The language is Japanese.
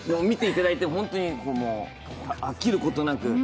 見ていただいて、本当に飽きることなく。